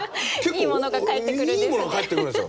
いいものが返ってくるんですね。